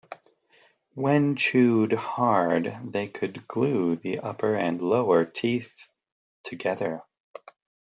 When chewed hard, they could glue the upper and lower teeth together.